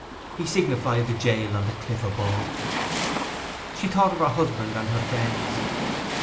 He signified the jail on the cliff above. She thought of her husband and her friends.